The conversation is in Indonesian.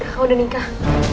kau udah nikah